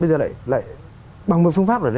bây giờ lại bằng một phương pháp